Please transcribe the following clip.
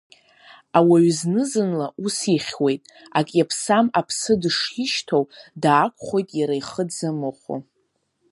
Ауаҩ зны-зынла ус ихьуеит, ак иаԥсам аԥсы дышишьҭоу, даақәхоит иара ихы дзамыхәо.